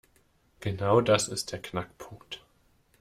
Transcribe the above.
Genau das ist der Knackpunkt.